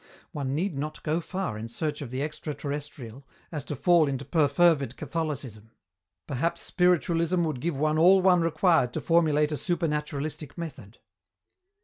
One need not go far in search of the extra terrestrial as to fall into perfervid Catholicism. Perhaps spiritualism would give one all one required to formulate a supernaturalistic method.